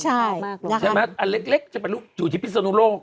ใช่ใช่ไหมอันเล็กจะไปอยู่ที่พิศนุโลก